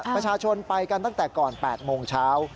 ประชาชนไปกันตั้งแต่ก่อน๘โมงเช้า